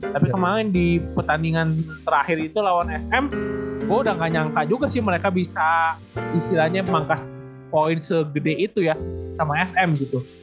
tapi kemarin di pertandingan terakhir itu lawan sm gue udah gak nyangka juga sih mereka bisa istilahnya memangkas poin segede itu ya sama sm gitu